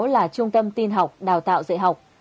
là trung tâm tin học đào tạo dạy học